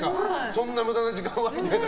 そんな無駄な時間はみたいな。